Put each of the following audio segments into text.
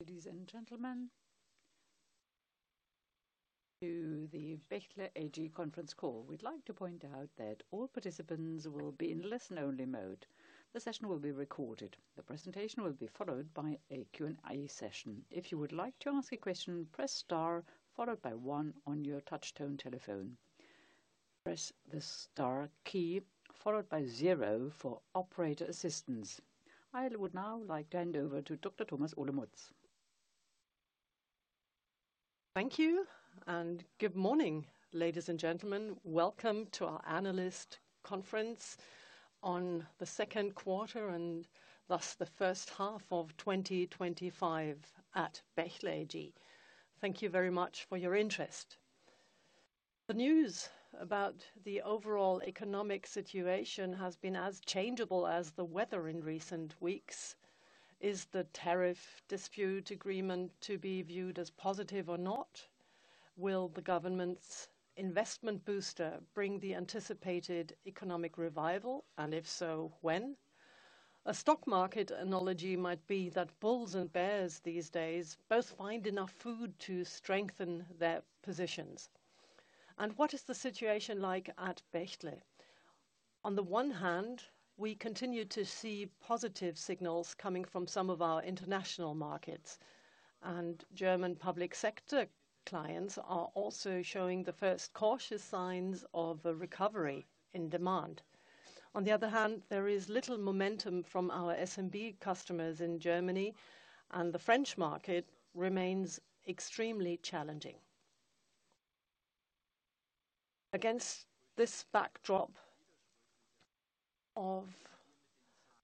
Ladies and gentlemen, to the Bechtle AG Conference Call, we'd like to point out that all participants will be in listen-only mode. The session will be recorded. The presentation will be followed by a Q&A session. If you would like to ask a question, press star followed by one on your touch-tone telephone. Press the star key followed by zero for operator assistance. I would now like to hand over to Dr. Thomas Olemotz. Thank you, and good morning, ladies and gentlemen. Welcome to our Analyst Conference on the Second Quarter and thus the First Half of 2025 at Bechtle AG. Thank you very much for your interest. The news about the overall economic situation has been as changeable as the weather in recent weeks. Is the tariff dispute agreement to be viewed as positive or not? Will the government's investment booster bring the anticipated economic revival, and if so, when? A stock market analogy might be that bulls and bears these days both find enough food to strengthen their positions. What is the situation like at Bechtle? On the one hand, we continue to see positive signals coming from some of our international markets, and German public sector clients are also showing the first cautious signs of a recovery in demand. On the other hand, there is little momentum from our SMB customers in Germany, and the French market remains extremely challenging. Against this backdrop of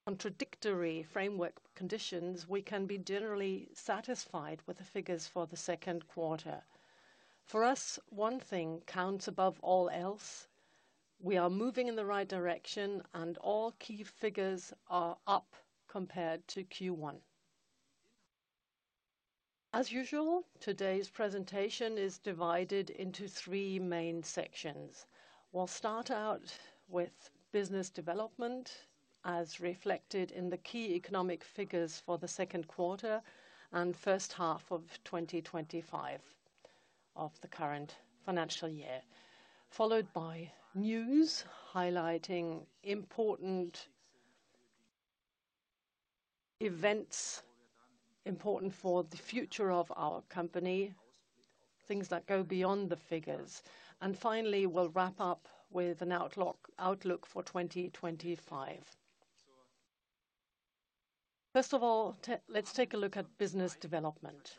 contradictory framework conditions, we can be generally satisfied with the figures for the second quarter. For us, one thing counts above all else: we are moving in the right direction, and all key figures are up compared to Q1. As usual, today's presentation is divided into three main sections. We'll start out with business development, as reflected in the key economic figures for the second quarter and first half of 2025 of the current financial year, followed by news highlighting important events important for the future of our company, things that go beyond the figures. Finally, we'll wrap up with an outlook for 2025. First of all, let's take a look at business development.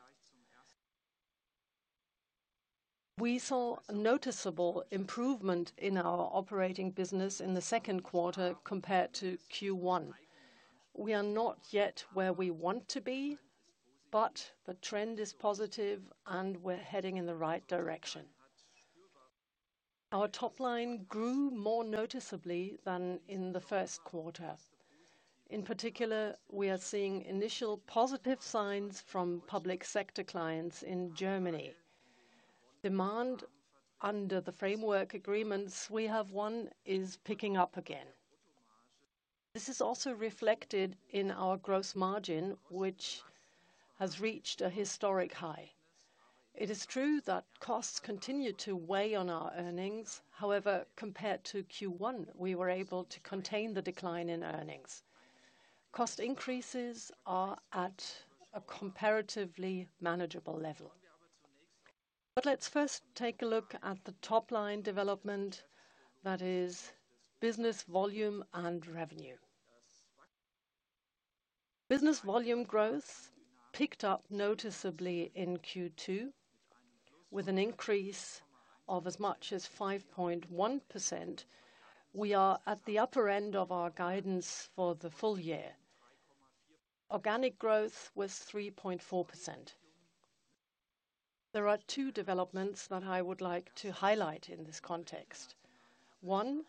We saw a noticeable improvement in our operating business in the second quarter compared to Q1. We are not yet where we want to be, but the trend is positive, and we're heading in the right direction. Our top line grew more noticeably than in the first quarter. In particular, we are seeing initial positive signs from public sector clients in Germany. Demand under the framework agreements we have won is picking up again. This is also reflected in our gross margin, which has reached a historic high. It is true that costs continue to weigh on our earnings; however, compared to Q1, we were able to contain the decline in earnings. Cost increases are at a comparatively manageable level. Let's first take a look at the top line development, that is business volume and revenue. Business volume growth picked up noticeably in Q2, with an increase of as much as 5.1%. We are at the upper end of our guidance for the full year. Organic growth was 3.4%. There are two developments that I would like to highlight in this context. One,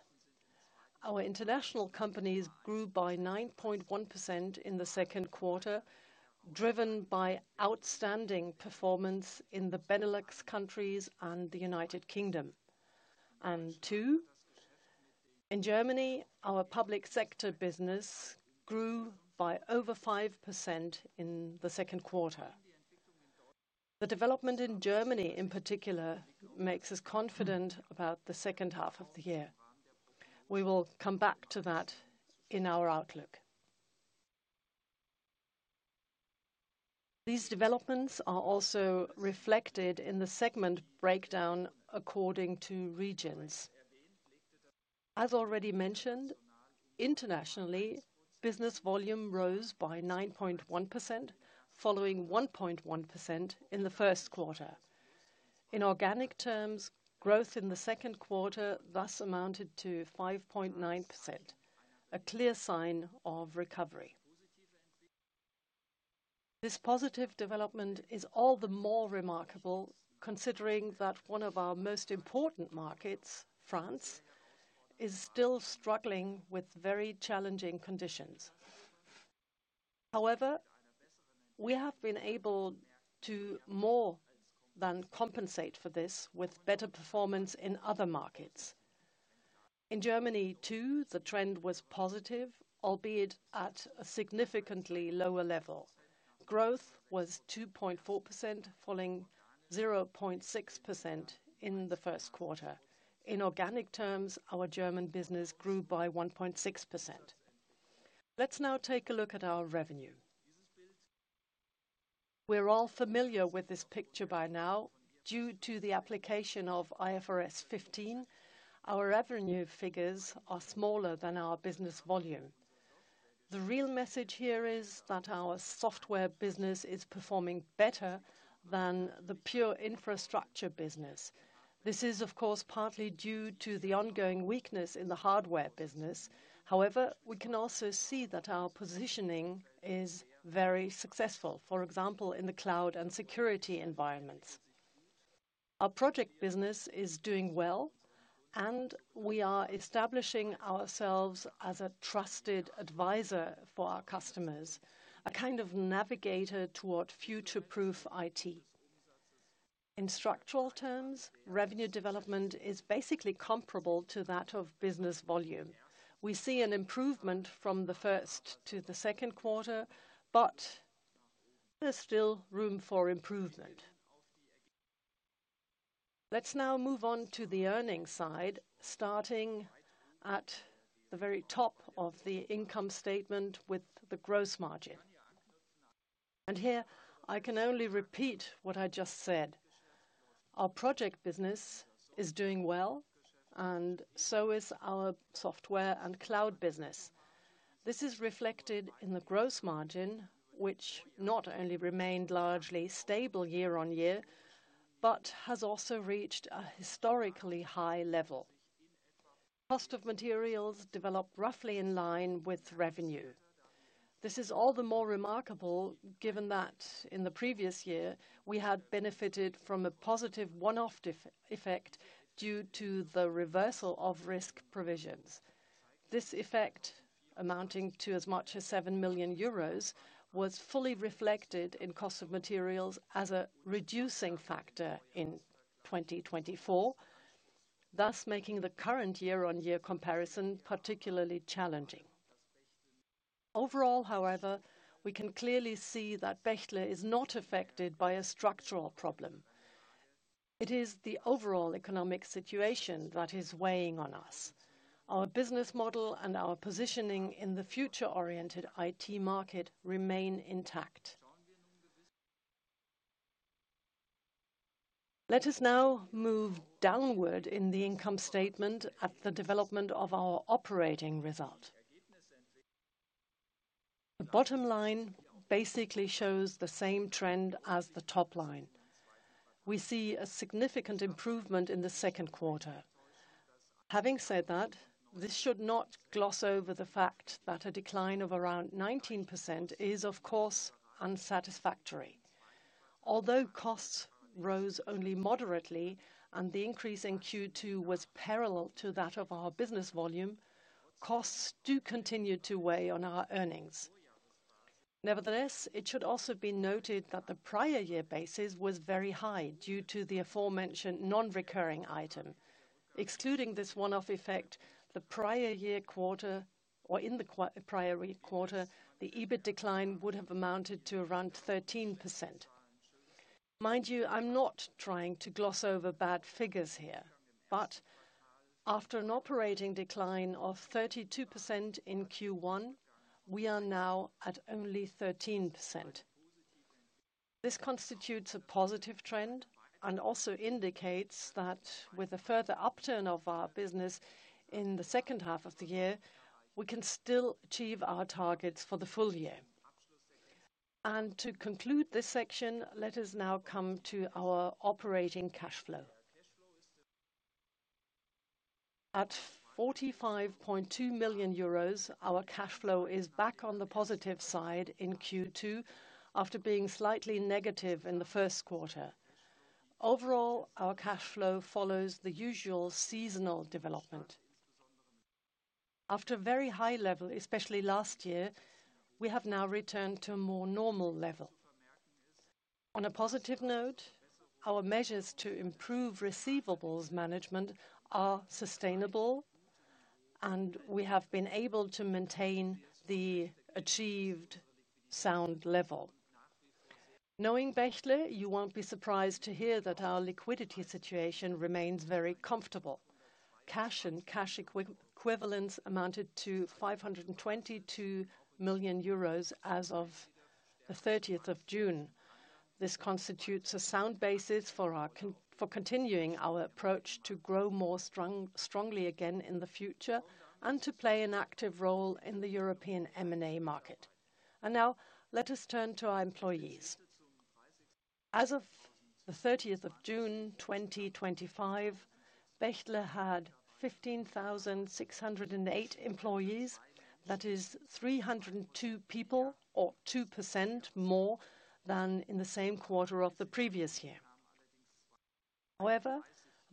our international companies grew by 9.1% in the second quarter, driven by outstanding performance in the Benelux countries and the United Kingdom. Two, in Germany, our public sector business grew by over 5% in the second quarter. The development in Germany, in particular, makes us confident about the second half of the year. We will come back to that in our outlook. These developments are also reflected in the segment breakdown according to regions. As already mentioned, internationally, business volume rose by 9.1%, following 1.1% in the first quarter. In organic terms, growth in the second quarter thus amounted to 5.9%, a clear sign of recovery. This positive development is all the more remarkable, considering that one of our most important markets, France, is still struggling with very challenging conditions. However, we have been able to more than compensate for this with better performance in other markets. In Germany, too, the trend was positive, albeit at a significantly lower level. Growth was 2.4%, following 0.6% in the first quarter. In organic terms, our German business grew by 1.6%. Let's now take a look at our revenue. We're all familiar with this picture by now. Due to the application of IFRS 15, our revenue figures are smaller than our business volume. The real message here is that our software business is performing better than the pure infrastructure business. This is, of course, partly due to the ongoing weakness in the hardware business. However, we can also see that our positioning is very successful, for example, in the cloud and security environments. Our project business is doing well, and we are establishing ourselves as a trusted advisor for our customers, a kind of navigator toward future-proof IT. In structural terms, revenue development is basically comparable to that of business volume. We see an improvement from the first to the second quarter, but there's still room for improvement. Let's now move on to the earnings side, starting at the very top of the income statement with the gross margin. Here, I can only repeat what I just said. Our project business is doing well, and so is our software and cloud business. This is reflected in the gross margin, which not only remained largely stable year-on-year, but has also reached a historically high level. Cost of materials developed roughly in line with revenue. This is all the more remarkable, given that in the previous year, we had benefited from a positive one-off effect due to the reversal of risk provisions. This effect, amounting to as much as 7 million euros, was fully reflected in cost of materials as a reducing factor in 2024, thus making the current year-on-year comparison particularly challenging. Overall, however, we can clearly see that Bechtle is not affected by a structural problem. It is the overall economic situation that is weighing on us. Our business model and our positioning in the future-oriented IT market remain intact. Let us now move downward in the income statement at the development of our operating result. The bottom line basically shows the same trend as the top line. We see a significant improvement in the second quarter. Having said that, this should not gloss over the fact that a decline of around 19% is, of course, unsatisfactory. Although costs rose only moderately, and the increase in Q2 was parallel to that of our business volume, costs do continue to weigh on our earnings. Nevertheless, it should also be noted that the prior year basis was very high due to the aforementioned non-recurring item. Excluding this one-off effect, the prior year quarter, or in the prior quarter, the EBIT decline would have amounted to around 13%. Mind you, I'm not trying to gloss over bad figures here, but after an operating decline of 32% in Q1, we are now at only 13%. This constitutes a positive trend and also indicates that with a further upturn of our business in the second half of the year, we can still achieve our targets for the full year. To conclude this section, let us now come to our operating cash flow. At 45.2 million euros, our cash flow is back on the positive side in Q2 after being slightly negative in the first quarter. Overall, our cash flow follows the usual seasonal development. After a very high level, especially last year, we have now returned to a more normal level. On a positive note, our measures to improve receivables management are sustainable, and we have been able to maintain the achieved sound level. Knowing Bechtle, you won't be surprised to hear that our liquidity situation remains very comfortable. Cash and cash equivalents amounted to 522 million euros as of the 30th of June. This constitutes a sound basis for continuing our approach to grow more strongly again in the future and to play an active role in the European M&A market. Now, let us turn to our employees. As of the 30th of June 2025, Bechtle had 15,608 employees. That is 302 people, or 2% more than in the same quarter of the previous year. However,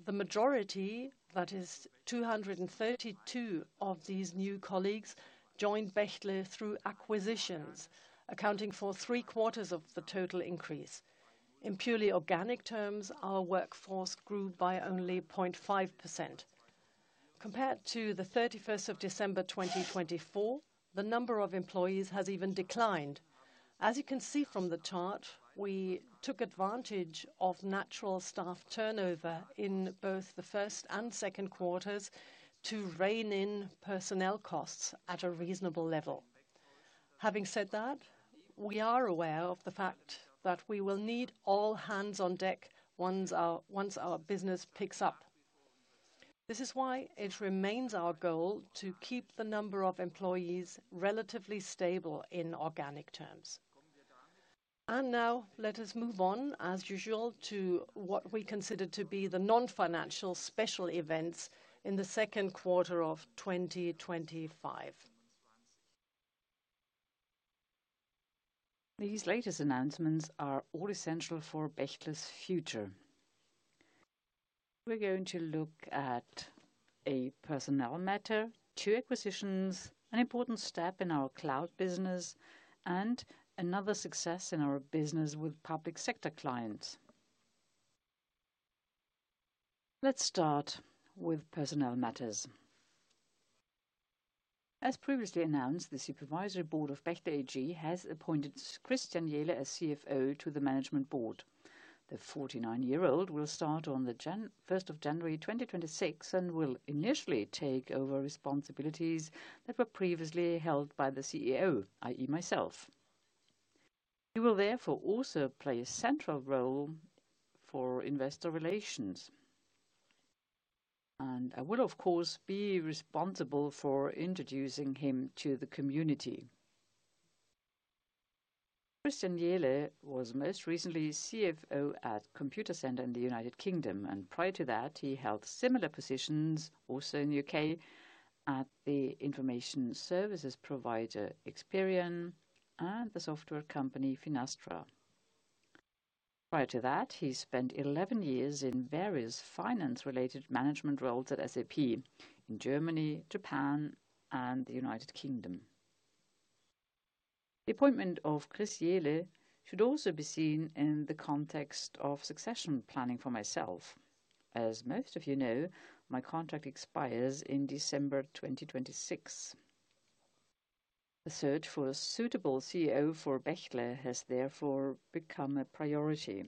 the majority, that is 232 of these new colleagues, joined Bechtle through acquisitions, accounting for three quarters of the total increase. In purely organic terms, our workforce grew by only 0.5%. Compared to the 31st of December 2024, the number of employees has even declined. As you can see from the chart, we took advantage of natural staff turnover in both the first and second quarters to rein in personnel costs at a reasonable level. Having said that, we are aware of the fact that we will need all hands on deck once our business picks up. This is why it remains our goal to keep the number of employees relatively stable in organic terms. Now, let us move on, as usual, to what we consider to be the non-financial special events in the second quarter of 2025. These latest announcements are all essential for Bechtle's future. We're going to look at a personnel matter, two acquisitions, an important step in our cloud business, and another success in our business with public sector clients. Let's start with personnel matters. As previously announced, the Supervisory Board of Bechtle AG has appointed Christian Jehle as CFO to the Management Board. The 49-year-old will start on January 1, 2026, and will initially take over responsibilities that were previously held by the CEO, i.e., myself. He will therefore also play a central role for investor relations. I will, of course, be responsible for introducing him to the community. Christian Jehle was most recently CFO at Computersend in the United Kingdom, and prior to that, he held similar positions also in the U.K. at the information services provider Experian and the software company Finastra. Prior to that, he spent 11 years in various finance-related management roles at SAP in Germany, Japan, and the United Kingdom. The appointment of Christian Jehle should also be seen in the context of succession planning for myself. As most of you know, my contract expires in December 2026. A search for a suitable CEO for Bechtle has therefore become a priority.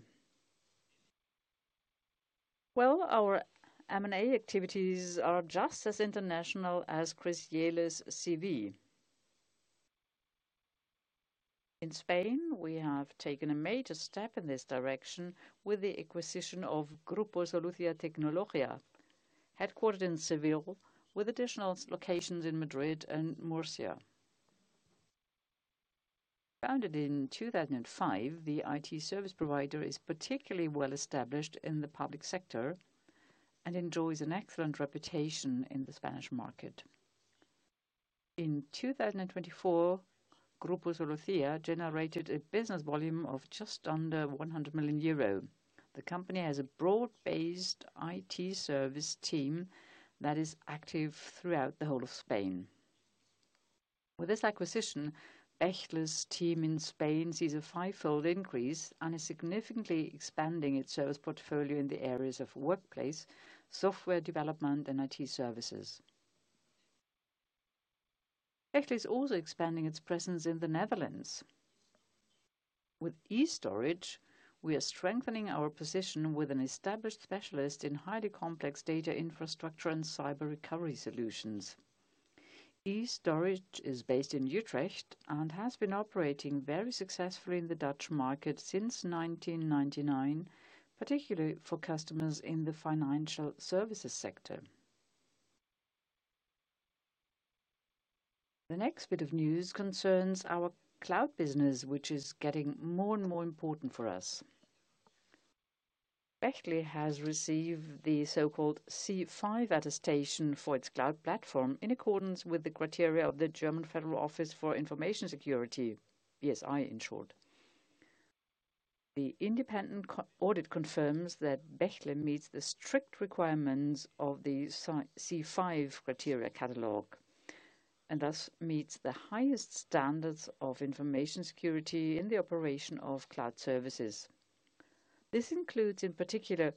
Our M&A activities are just as international as Christian Jehle's CV. In Spain, we have taken a major step in this direction with the acquisition of Grupo Solutia Tecnología S.L., headquartered in Seville, with additional locations in Madrid and Murcia. Founded in 2005, the IT service provider is particularly well established in the public sector and enjoys an excellent reputation in the Spanish market. In 2024, Grupo Solutia Tecnología generated a business volume of just under 100 million euro. The company has a broad-based IT service team that is active throughout the whole of Spain. With this acquisition, Bechtle's team in Spain sees a five-fold increase and is significantly expanding its service portfolio in the areas of workplace, software development, and IT services. Bechtle is also expanding its presence in the Netherlands. With eStorage, we are strengthening our position with an established specialist in highly complex data infrastructure and cyber recovery solutions. eStorage is based in Utrecht and has been operating very successfully in the Dutch market since 1999, particularly for customers in the financial services sector. The next bit of news concerns our cloud business, which is getting more and more important for us. Bechtle has received the so-called C5 attestation for its cloud platform in accordance with the criteria of the German Federal Office for Information Security, BSI in short. The independent audit confirms that Bechtle meets the strict requirements of the C5 criteria catalog and thus meets the highest standards of information security in the operation of cloud services. This includes, in particular,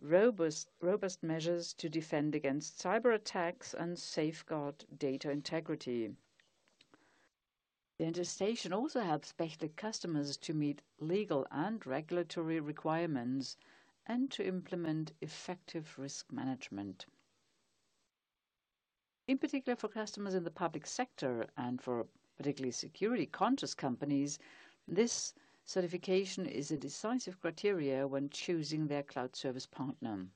robust measures to defend against cyber attacks and safeguard data integrity. The attestation also helps Bechtle customers to meet legal and regulatory requirements and to implement effective risk management. In particular, for customers in the public sector and for particularly security-conscious companies, this certification is a decisive criteria when choosing their cloud service partner.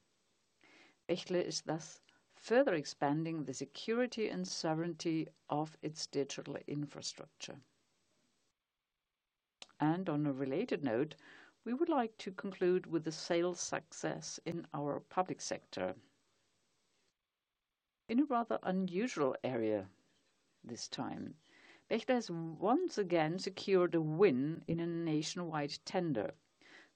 Bechtle is thus further expanding the security and sovereignty of its digital infrastructure. On a related note, we would like to conclude with the sales success in our public sector. In a rather unusual area this time, Bechtle has once again secured a win in a nationwide tender.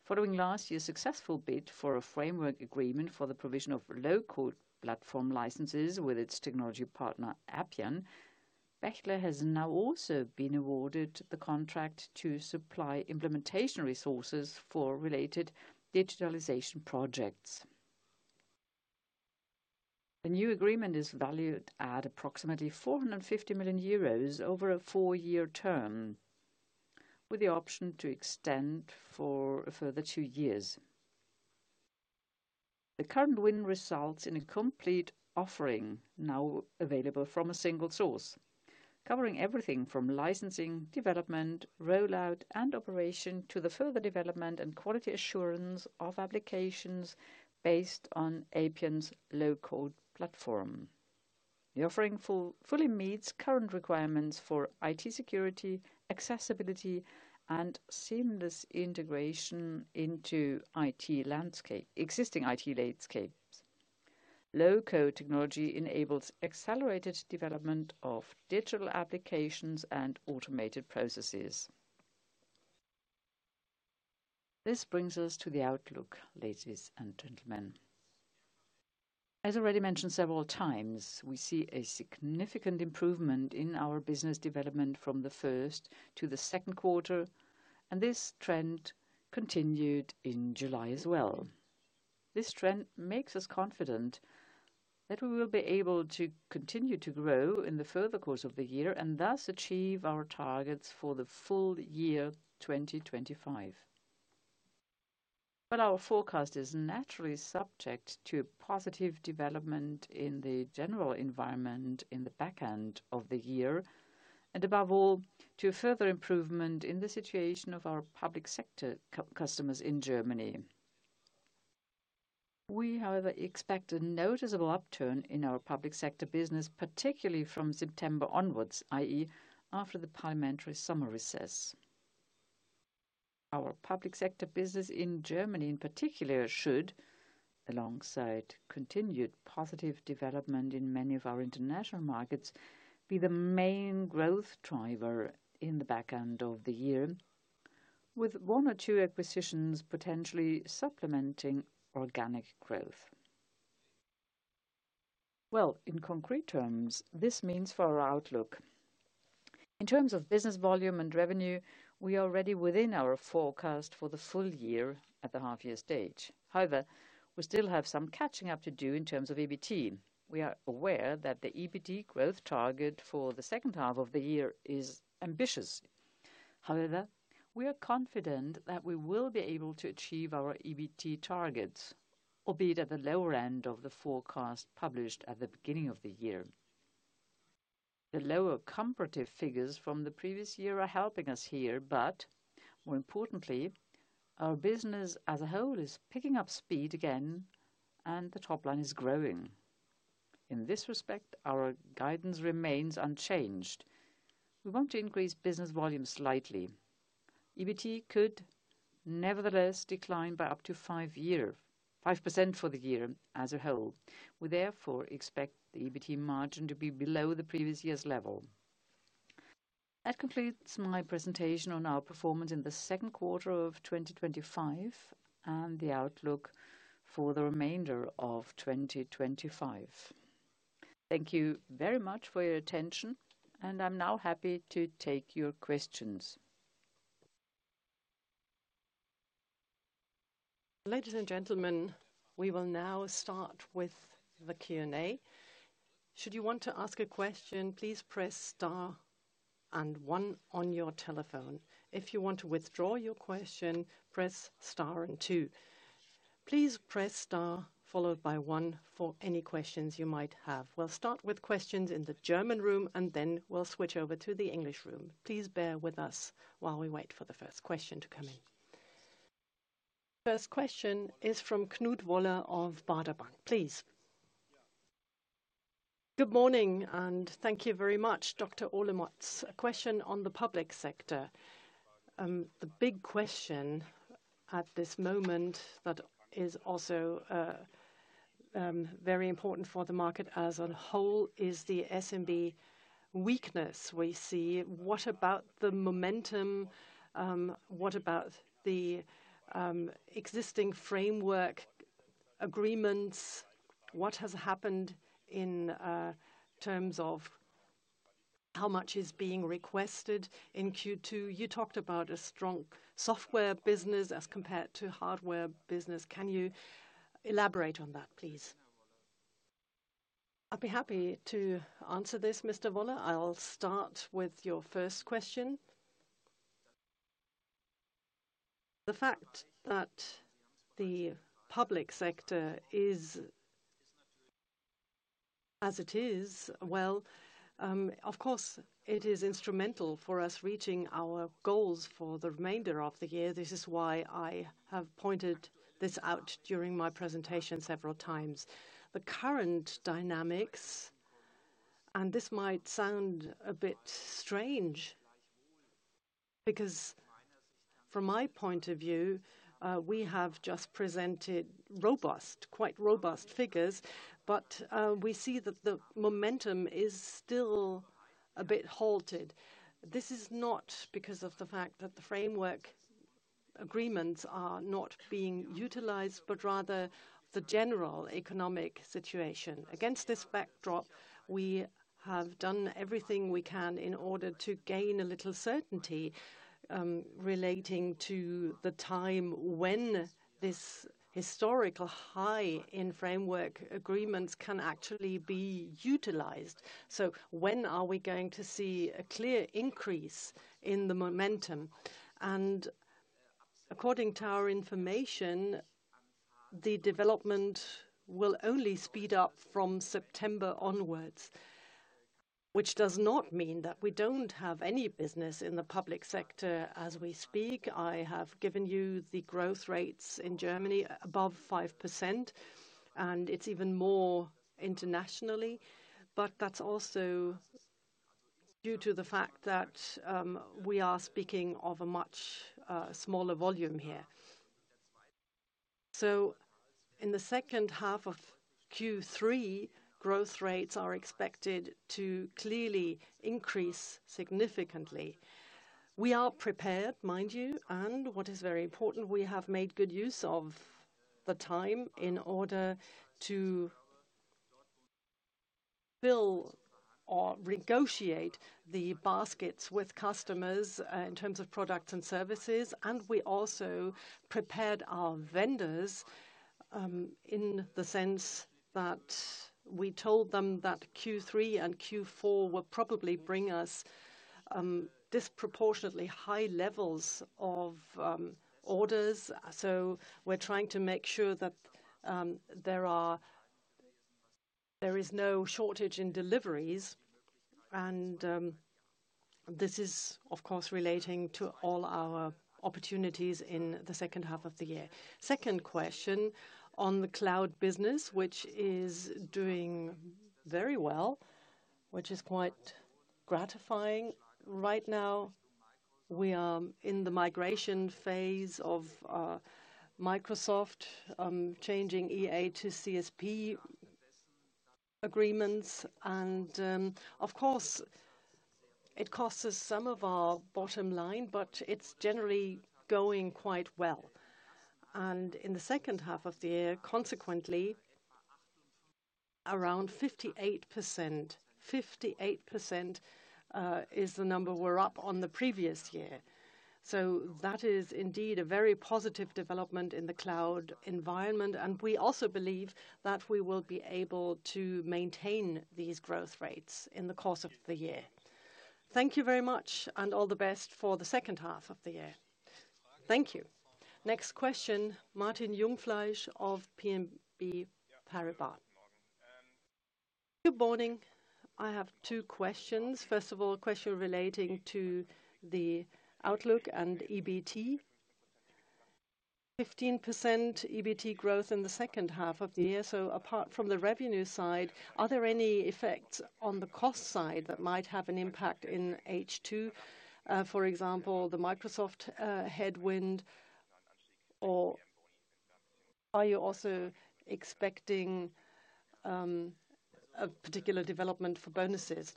Following last year's successful bid for a framework agreement for the provision of low-code platform licenses with its technology partner Appian, Bechtle has now also been awarded the contract to supply implementation resources for related digitalization projects. The new agreement is valued at approximately 450 million euros over a four-year term, with the option to extend for a further two years. The current win results in a complete offering now available from a single source, covering everything from licensing, development, rollout, and operation to the further development and quality assurance of applications based on Appian's low-code platform. The offering fully meets current requirements for IT security, accessibility, and seamless integration into existing IT landscapes. Low-code technology enables accelerated development of digital applications and automated processes. This brings us to the outlook, ladies and gentlemen. As already mentioned several times, we see a significant improvement in our business development from the first to the second quarter, and this trend continued in July as well. This trend makes us confident that we will be able to continue to grow in the further course of the year and thus achieve our targets for the full year 2025. Our forecast is naturally subject to a positive development in the general environment in the back end of the year, and above all, to a further improvement in the situation of our public sector customers in Germany. We, however, expect a noticeable upturn in our public sector business, particularly from September onwards, i.e., after the parliamentary summer recess. Our public sector business in Germany, in particular, should, alongside continued positive development in many of our international markets, be the main growth driver in the back end of the year, with one or two acquisitions potentially supplementing organic growth. In concrete terms, this means for our outlook, in terms of business volume and revenue, we are already within our forecast for the full year at the half-year stage. However, we still have some catching up to do in terms of EBT. We are aware that the EBT growth target for the second half of the year is ambitious. However, we are confident that we will be able to achieve our EBT targets, albeit at the lower end of the forecast published at the beginning of the year. The lower comparative figures from the previous year are helping us here, but more importantly, our business as a whole is picking up speed again, and the top line is growing. In this respect, our guidance remains unchanged. We want to increase business volume slightly. EBT could nevertheless decline by up to 5% for the year as a whole. We therefore expect the EBT margin to be below the previous year's level. That concludes my presentation on our performance in the second quarter of 2025 and the outlook for the remainder of 2025. Thank you very much for your attention, and I'm now happy to take your questions. Ladies and gentlemen, we will now start with the Q&A. Should you want to ask a question, please press star and one on your telephone. If you want to withdraw your question, press star and two. Please press star followed by one for any questions you might have. We'll start with questions in the German room, and then we'll switch over to the English room. Please bear with us while we wait for the first question to come in. First question is from Knut Woller of Baader Bank. Please. Good morning, and thank you very much, Dr. Olemotz. A question on the public sector. The big question at this moment that is also very important for the market as a whole is the SMB weakness we see. What about the momentum? What about the existing framework agreements? What has happened in terms of how much is being requested in Q2? You talked about a strong software business as compared to hardware business. Can you elaborate on that, please? I'd be happy to answer this, Mr. Woller. I'll start with your first question. The fact that the public sector is as it is, of course, it is instrumental for us reaching our goals for the remainder of the year. This is why I have pointed this out during my presentation several times. The current dynamics, and this might sound a bit strange, because from my point of view, we have just presented quite robust figures, but we see that the momentum is still a bit halted. This is not because of the fact that the framework agreements are not being utilized, but rather the general economic situation. Against this backdrop, we have done everything we can in order to gain a little certainty relating to the time when this historical high in framework agreements can actually be utilized. When are we going to see a clear increase in the momentum? According to our information, the development will only speed up from September onwards, which does not mean that we don't have any business in the public sector as we speak. I have given you the growth rates in Germany above 5%, and it's even more internationally, but that's also due to the fact that we are speaking of a much smaller volume here. In the second half of Q3, growth rates are expected to clearly increase significantly. We are prepared, mind you, and what is very important, we have made good use of the time in order to fill or negotiate the baskets with customers in terms of products and services, and we also prepared our vendors in the sense that we told them that Q3 and Q4 will probably bring us disproportionately high levels of orders. We're trying to make sure that there is no shortage in deliveries, and this is, of course, relating to all our opportunities in the second half of the year. Second question on the cloud business, which is doing very well, which is quite gratifying. Right now, we are in the migration phase of Microsoft changing EA to CSP agreements, and of course, it costs us some of our bottom line, but it's generally going quite well. In the second half of the year, consequently, around 58% is the number we're up on the previous year. That is indeed a very positive development in the cloud environment, and we also believe that we will be able to maintain these growth rates in the course of the year. Thank you very much, and all the best for the second half of the year. Thank you. Next question, Martin Jungfleisch of BNP Paribas. Good morning. I have two questions. First of all, a question relating to the outlook and EBT. 15% EBT growth in the second half of the year. Apart from the revenue side, are there any effects on the cost side that might have an impact in H2? For example, the Microsoft headwind, or are you also expecting a particular development for bonuses?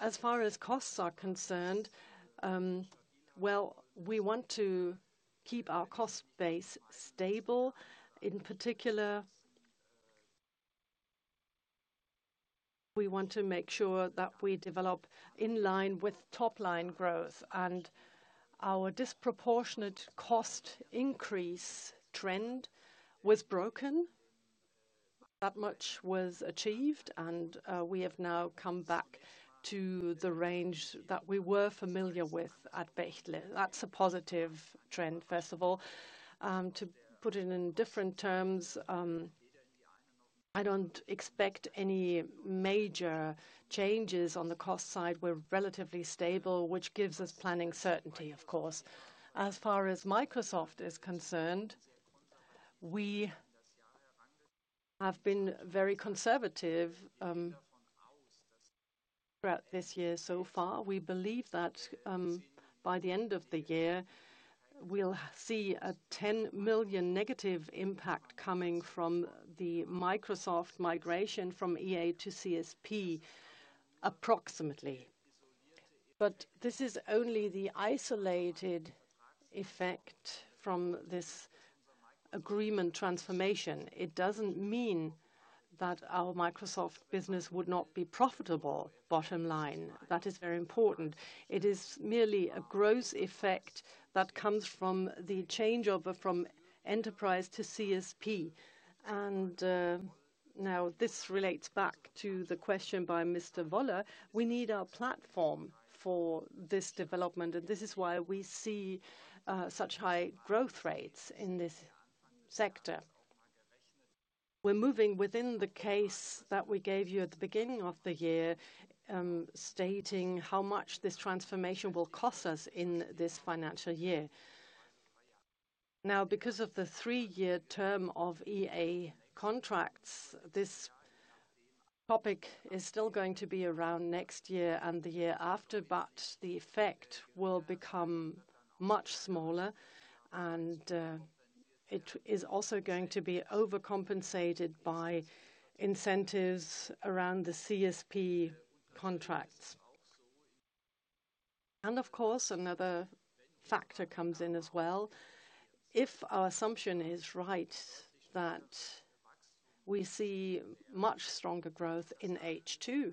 As far as costs are concerned, we want to keep our cost base stable. In particular, we want to make sure that we develop in line with top line growth, and our disproportionate cost increase trend was broken. That much was achieved, and we have now come back to the range that we were familiar with at Bechtle. That's a positive trend, first of all. To put it in different terms, I don't expect any major changes on the cost side. We're relatively stable, which gives us planning certainty, of course. As far as Microsoft is concerned, we have been very conservative throughout this year so far. We believe that by the end of the year, we'll see a 10 million negative impact coming from the Microsoft migration from EA to CSP, approximately. This is only the isolated effect from this agreement transformation. It doesn't mean that our Microsoft business would not be profitable, bottom line. That is very important. It is merely a gross effect that comes from the changeover from enterprise to CSP. This relates back to the question by Mr. Woller: we need our platform for this development, and this is why we see such high growth rates in this sector. We're moving within the case that we gave you at the beginning of the year, stating how much this transformation will cost us in this financial year. Because of the three-year term of EA contracts, this topic is still going to be around next year and the year after, but the effect will become much smaller, and it is also going to be overcompensated by incentives around the CSP contracts. Of course, another factor comes in as well. If our assumption is right that we see much stronger growth in H2,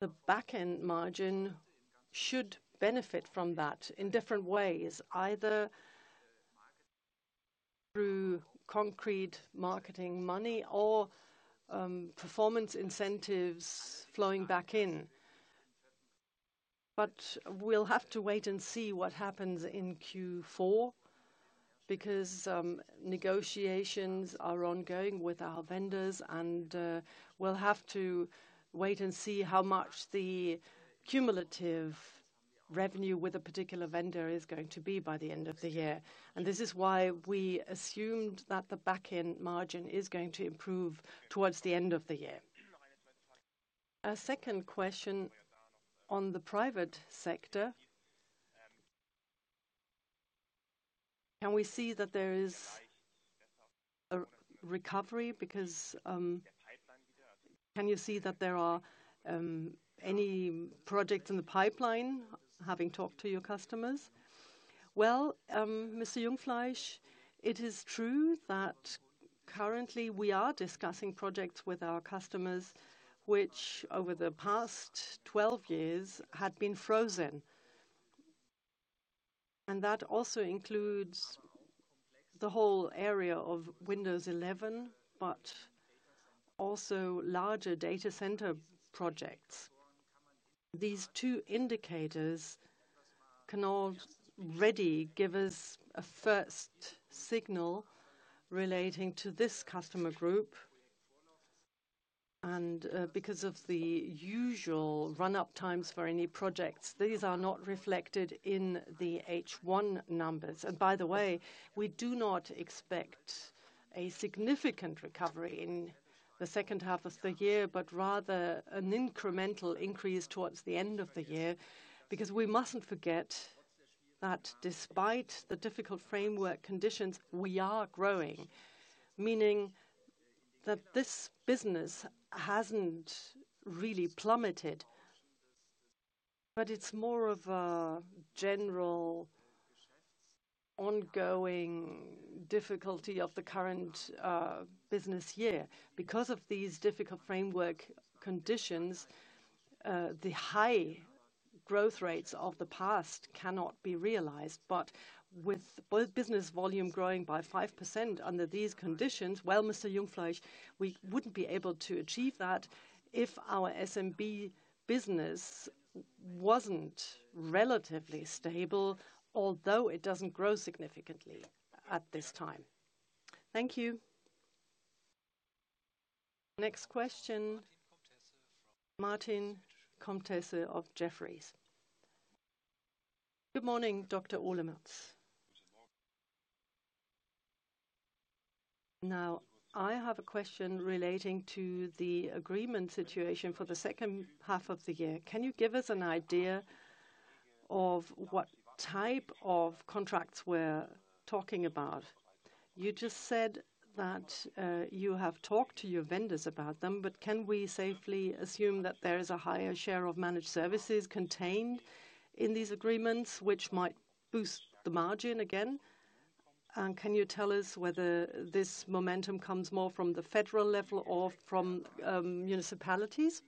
the backend margin should benefit from that in different ways, either through concrete marketing money or performance incentives flowing back in. We'll have to wait and see what happens in Q4 because negotiations are ongoing with our vendors, and we'll have to wait and see how much the cumulative revenue with a particular vendor is going to be by the end of the year. This is why we assumed that the backend margin is going to improve towards the end of the year. A second question on the private sector. Can we see that there is a recovery? Can you see that there are any projects in the pipeline, having talked to your customers? Mr. Jungfleisch, it is true that currently we are discussing projects with our customers, which over the past 12 years had been frozen. That also includes the whole area of Windows 11, but also larger data center projects. These two indicators can already give us a first signal relating to this customer group. Because of the usual run-up times for any projects, these are not reflected in the H1 numbers. By the way, we do not expect a significant recovery in the second half of the year, but rather an incremental increase towards the end of the year, because we mustn't forget that despite the difficult framework conditions, we are growing, meaning that this business hasn't really plummeted, but it's more of a general ongoing difficulty of the current business year. Because of these difficult framework conditions, the high growth rates of the past cannot be realized. With business volume growing by 5% under these conditions, Mr. Jungfleisch, we wouldn't be able to achieve that if our SMB business wasn't relatively stable, although it doesn't grow significantly at this time. Thank you. Next question, Martin Comtesse of Jefferies. Good morning, Dr. Olemotz. I have a question relating to the agreement situation for the second half of the year. Can you give us an idea of what type of contracts we're talking about? You just said that you have talked to your vendors about them, but can we safely assume that there is a higher share of managed services contained in these agreements, which might boost the margin again? Can you tell us whether this momentum comes more from the federal level or from municipalities?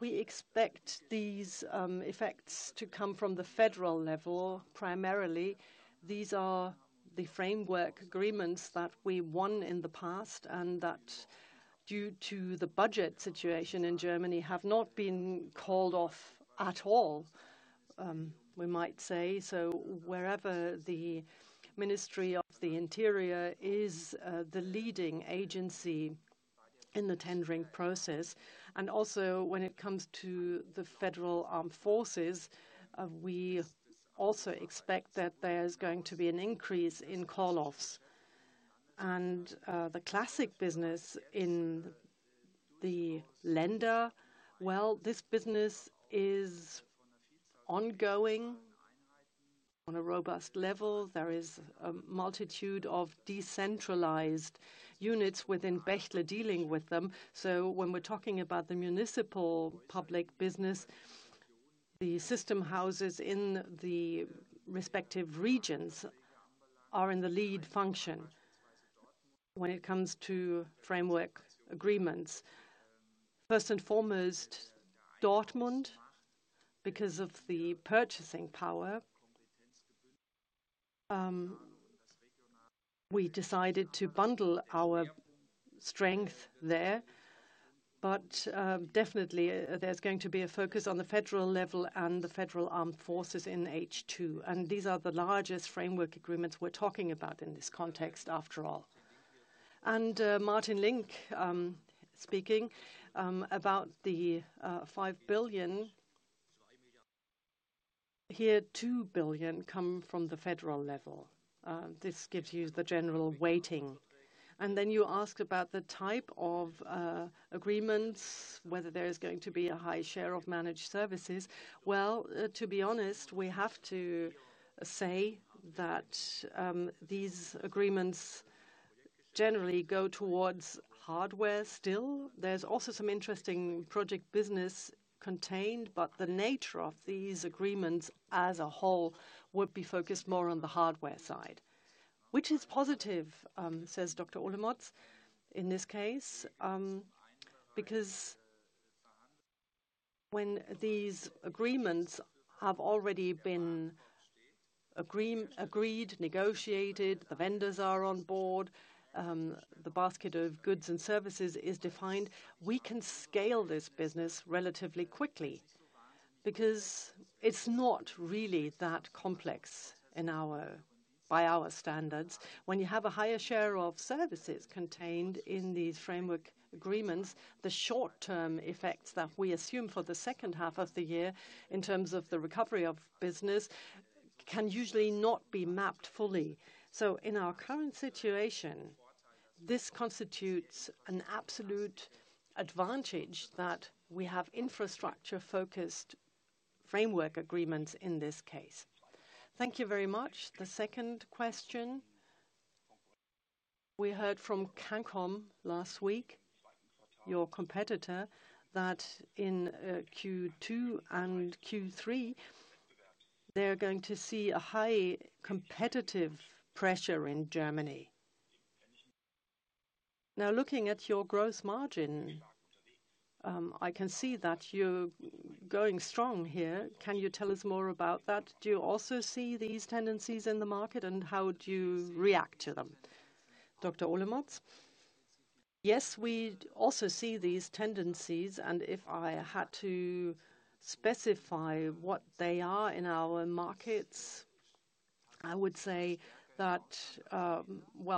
We expect these effects to come from the federal level primarily. These are the framework agreements that we won in the past and that, due to the budget situation in Germany, have not been called off at all, we might say. Wherever the Ministry of the Interior is the leading agency in the tendering process. Also, when it comes to the federal armed forces, we also expect that there's going to be an increase in call-offs. The classic business in the lender, this business is ongoing on a robust level. There is a multitude of decentralized units within Bechtle dealing with them. When we're talking about the municipal public business, the system houses in the respective regions are in the lead function. When it comes to framework agreements, first and foremost, Dortmund, because of the purchasing power, we decided to bundle our strength there. Definitely, there's going to be a focus on the federal level and the federal armed forces in H2. These are the largest framework agreements we're talking about in this context, after all. Martin Link speaking about the 5 billion here, 2 billion come from the federal level. This gives you the general weighting. You asked about the type of agreements, whether there is going to be a high share of managed services. To be honest, we have to say that these agreements generally go towards hardware still. There's also some interesting project business contained, but the nature of these agreements as a whole would be focused more on the hardware side, which is positive. In this case, because when these agreements have already been agreed, negotiated, the vendors are on board, the basket of goods and services is defined, we can scale this business relatively quickly because it's not really that complex by our standards. When you have a higher share of services contained in these framework agreements, the short-term effects that we assume for the second half of the year in terms of the recovery of business can usually not be mapped fully. In our current situation, this constitutes an absolute advantage that we have infrastructure-focused framework agreements in this case. Thank you very much. The second question, we heard from Cancom last week, your competitor, that in Q2 and Q3, they are going to see a high competitive pressure in Germany. Now, looking at your gross margin, I can see that you're going strong here. Can you tell us more about that? Do you also see these tendencies in the market, and how do you react to them? Dr. Olemotz, yes, we also see these tendencies, and if I had to specify what they are in our markets, I would say that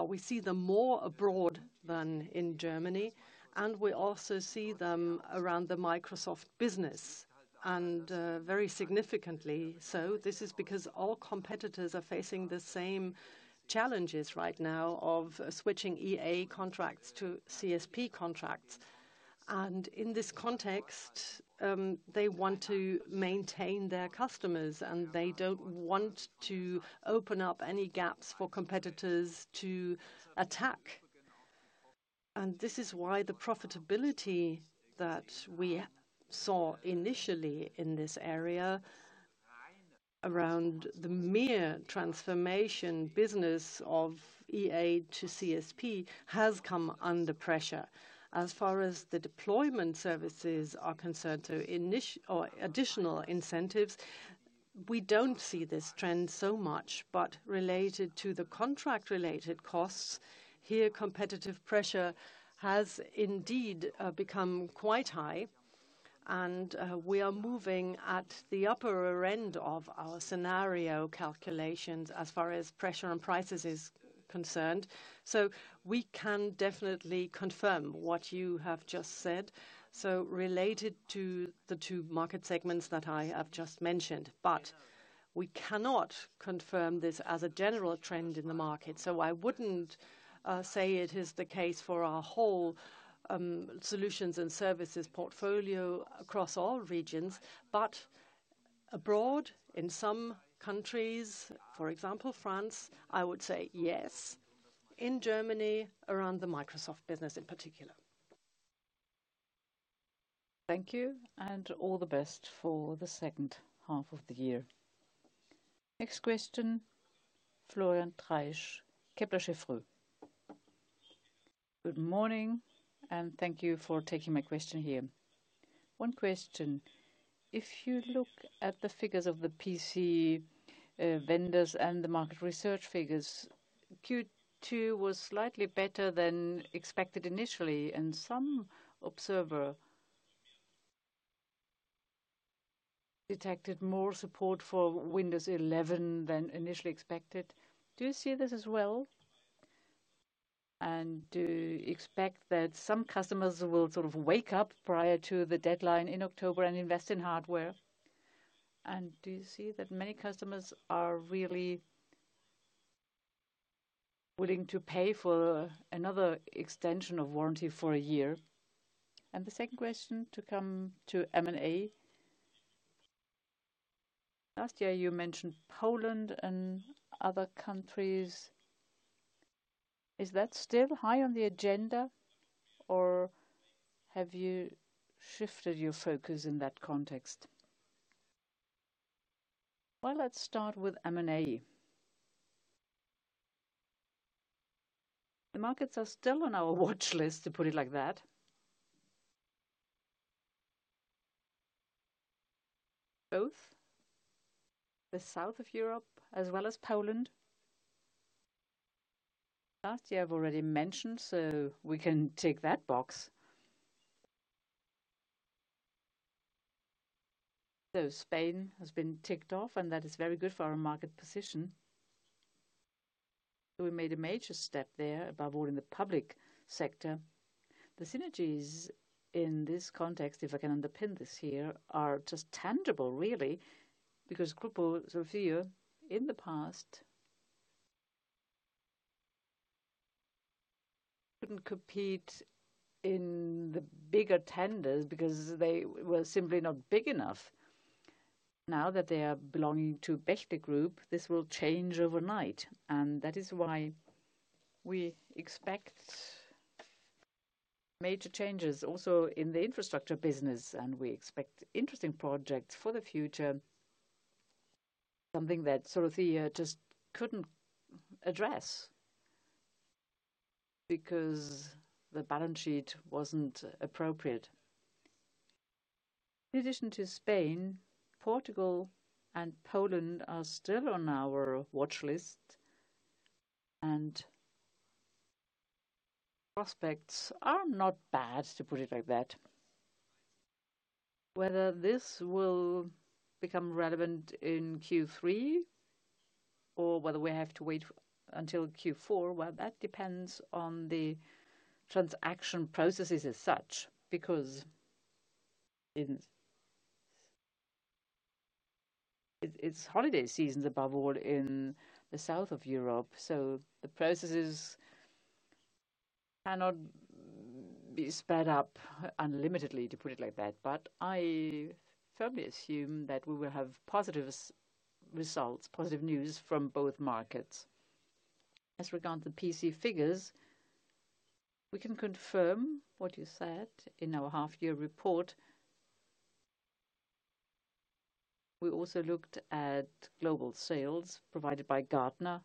we see them more abroad than in Germany, and we also see them around the Microsoft business. Very significantly, this is because all competitors are facing the same challenges right now of switching EA agreements to CSP agreements. In this context, they want to maintain their customers, and they don't want to open up any gaps for competitors to attack. This is why the profitability that we saw initially in this area around the mere transformation business of EA to CSP has come under pressure. As far as the deployment services are concerned or additional incentives, we don't see this trend so much, but related to the contract-related costs, here, competitive pressure has indeed become quite high, and we are moving at the upper end of our scenario calculations as far as pressure on prices is concerned. We can definitely confirm what you have just said, so related to the two market segments that I have just mentioned. We cannot confirm this as a general trend in the market. I wouldn't say it is the case for our whole solutions and services portfolio across all regions, but abroad, in some countries, for example, France, I would say yes. In Germany, around the Microsoft business in particular. Thank you, and all the best for the second half of the year. Next question, Florian Treisch, Kepler Cheuvreux. Good morning, and thank you for taking my question here. One question. If you look at the figures of the PC vendors and the market research figures, Q2 was slightly better than expected initially, and some observer detected more support for Windows 11 than initially expected. Do you see this as well? Do you expect that some customers will sort of wake up prior to the deadline in October and invest in hardware? Do you see that many customers are really willing to pay for another extension of warranty for a year? The second question to come to M&A. Last year, you mentioned Poland and other countries. Is that still high on the agenda, or have you shifted your focus in that context? Let's start with M&A. The markets are still on our watch list, to put it like that. Both the south of Europe, as well as Poland. Last year, I've already mentioned, so we can tick that box. Spain has been ticked off, and that is very good for our market position. We made a major step there above all in the public sector. The synergies in this context, if I can underpin this here, are just tangible, really, because Grupo Solutia Tecnología in the past couldn't compete in the bigger tenders because they were simply not big enough. Now that they are belonging to Bechtle Group, this will change overnight. That is why we expect major changes also in the infrastructure business, and we expect interesting projects for the future. Something that Solutia just couldn't address because the balance sheet wasn't appropriate. In addition to Spain, Portugal and Poland are still on our watch list, and prospects are not bad, to put it like that. Whether this will become relevant in Q3 or whether we have to wait until Q4 depends on the transaction processes as such, because it's holiday seasons above all in the south of Europe, so the processes cannot be sped up unlimitedly, to put it like that. I firmly assume that we will have positive results, positive news from both markets. As regards the PC figures, we can confirm what you said in our half-year report. We also looked at global sales provided by Gartner,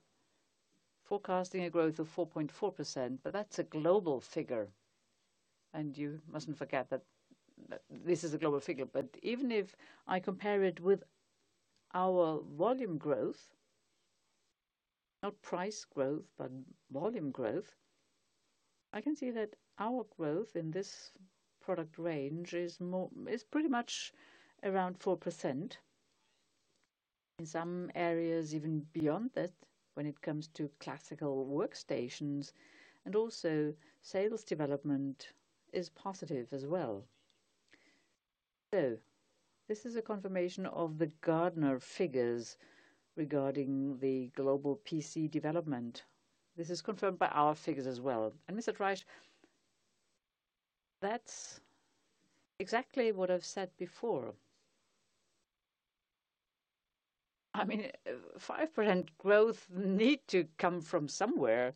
forecasting a growth of 4.4%, but that's a global figure. You mustn't forget that this is a global figure, but even if I compare it with our volume growth, not price growth, but volume growth, I can see that our growth in this product range is pretty much around 4%. In some areas, even beyond that, when it comes to classical workstations, and also sales development is positive as well. This is a confirmation of the Gartner figures regarding the global PC development. This is confirmed by our figures as well. Mr. Treisch, that's exactly what I've said before. I mean, 5% growth needs to come from somewhere.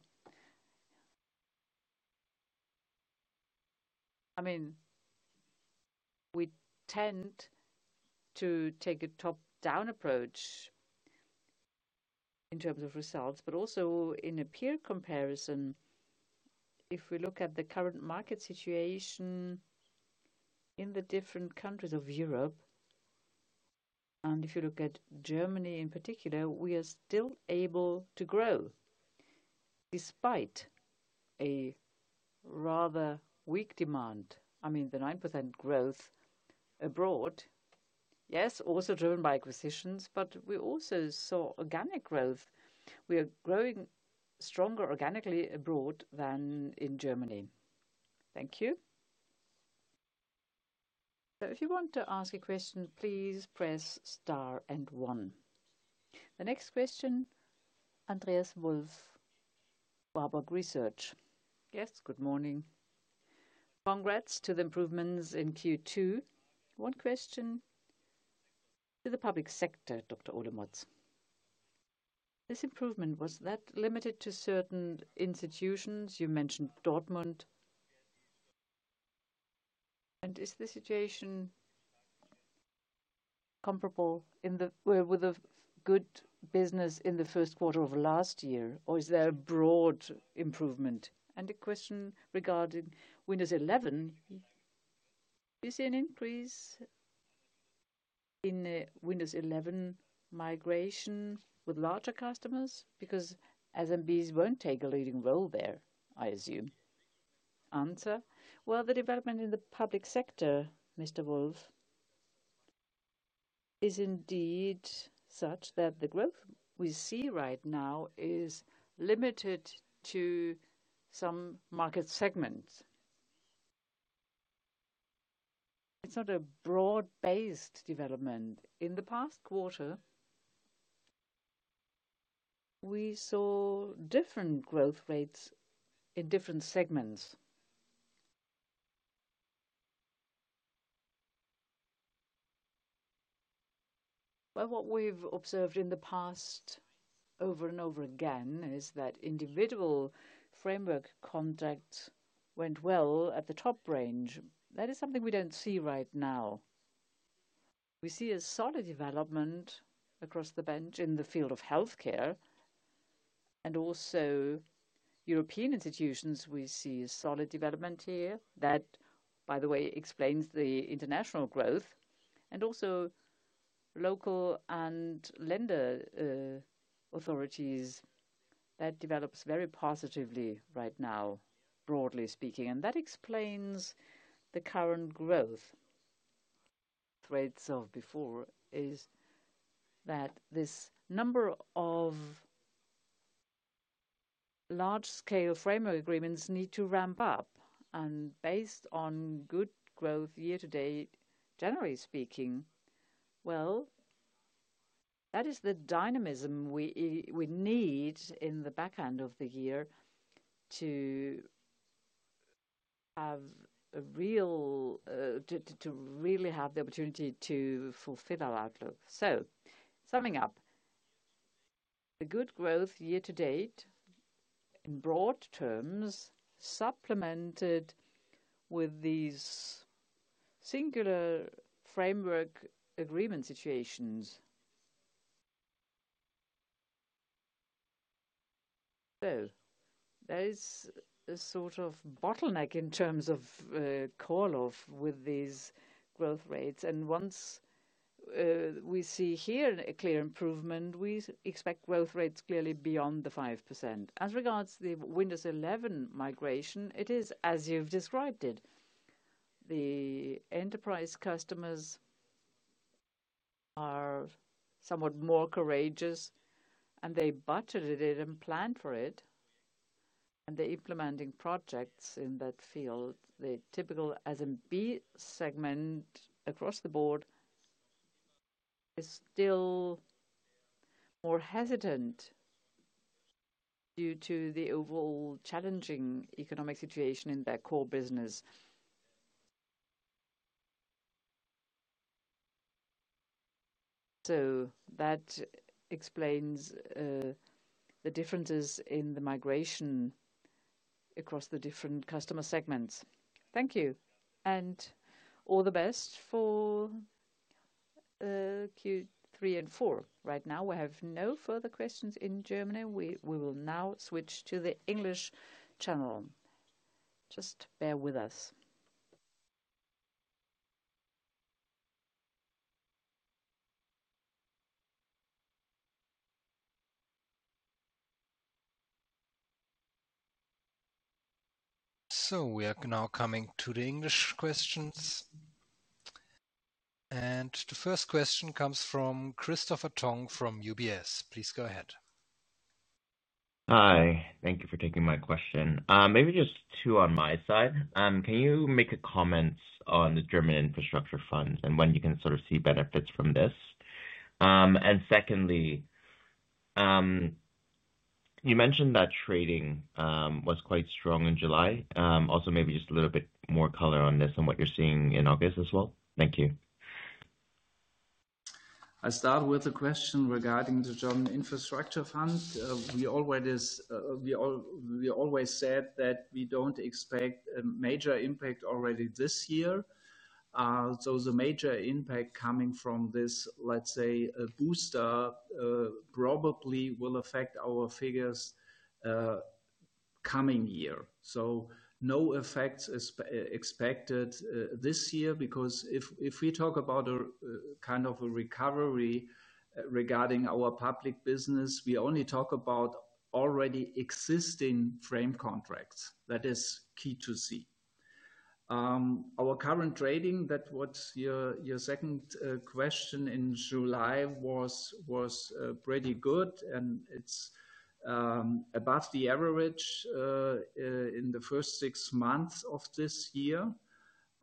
We tend to take a top-down approach in terms of results, but also in a peer comparison. If we look at the current market situation in the different countries of Europe, and if you look at Germany in particular, we are still able to grow despite a rather weak demand. The 9% growth abroad, yes, also driven by acquisitions, but we also saw organic growth. We are growing stronger organically abroad than in Germany. Thank you. If you want to ask a question, please press star and one. The next question, Andreas Wolf, Warburg Research. Yes, good morning. Congrats to the improvements in Q2. One question to the public sector, Dr. Olemotz. This improvement, was that limited to certain institutions? You mentioned Dortmund. Is the situation comparable with a good business in the first quarter of last year, or is there a broad improvement? A question regarding Windows 11. Do you see an increase in the Windows 11 migration with larger customers? Because SMBs won't take a leading role there, I assume. Answer: The development in the public sector, Mr. Wolf, is indeed such that the growth we see right now is limited to some market segments. It's not a broad-based development. In the past quarter, we saw different growth rates in different segments. What we've observed in the past over and over again is that individual framework contracts went well at the top range. That is something we don't see right now. We see a solid development across the bench in the field of healthcare, and also European institutions, we see a solid development here. That, by the way, explains the international growth. Also, local and lender authorities, that develops very positively right now, broadly speaking. That explains the current growth. Threads of before is that this number of large-scale framework agreements need to ramp up. Based on good growth year to date, generally speaking, that is the dynamism we need in the back end of the year to have a real, to really have the opportunity to fulfill our outlook. Summing up, the good growth year to date in broad terms supplemented with these singular framework agreement situations. There is a sort of bottleneck in terms of call-off with these growth rates. Once we see here a clear improvement, we expect growth rates clearly beyond the 5%. As regards the Windows 11 migration, it is as you've described it. The enterprise customers are somewhat more courageous, and they butchered it and planned for it. They're implementing projects in that field. The typical SMB segment across the board is still more hesitant due to the overall challenging economic situation in their core business. That explains the differences in the migration across the different customer segments. Thank you. All the best for Q3 and Q4. Right now, we have no further questions in Germany. We will now switch to the English channel. Just bear with us. We are now coming to the English questions. The first question comes from Christopher Tong from UBS. Please go ahead. Hi. Thank you for taking my question. Maybe just two on my side. Can you make a comment on the German infrastructure funds and when you can sort of see benefits from this? Secondly, you mentioned that trading was quite strong in July. Also, maybe just a little bit more color on this and what you're seeing in August as well. Thank you. I start with a question regarding the German infrastructure fund. We always said that we don't expect a major impact already this year. The major impact coming from this, let's say, booster probably will affect our figures coming year. No effects expected this year because if we talk about a kind of a recovery regarding our public business, we only talk about already existing frame contracts. That is key to see. Our current trading, that was your second question in July, was pretty good, and it's above the average in the first six months of this year.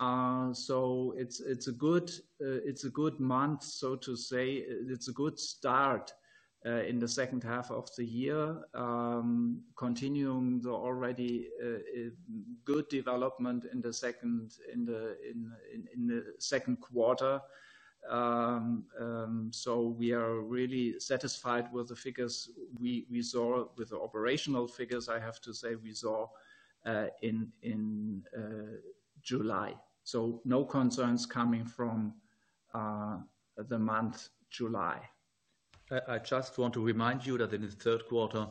It's a good month, so to say. It's a good start in the second half of the year, continuing the already good development in the second quarter. We are really satisfied with the figures we saw, with the operational figures, I have to say, we saw in July. No concerns coming from the month July. I just want to remind you that in the third quarter,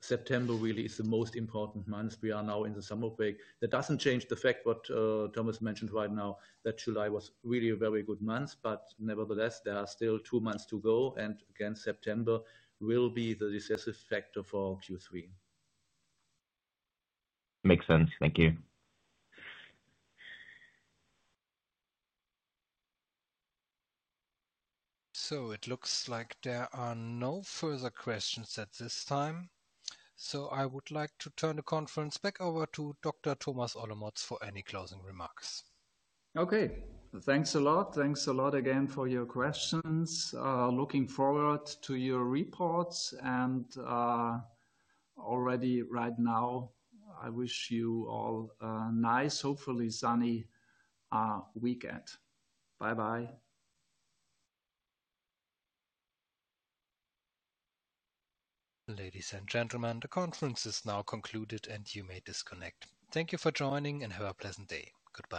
September really is the most important month. We are now in the summer break. That doesn't change the fact that what Thomas mentioned right now, that July was really a very good month. Nevertheless, there are still two months to go. Again, September will be the decisive factor for Q3. Makes sense. Thank you. It looks like there are no further questions at this time. I would like to turn the conference back over to Dr. Thomas Olemotz for any closing remarks. Okay. Thanks a lot. Thanks a lot again for your questions. Looking forward to your reports. I wish you all a nice, hopefully sunny weekend. Bye-bye. Ladies and gentlemen, the conference is now concluded, and you may disconnect. Thank you for joining, and have a pleasant day. Goodbye.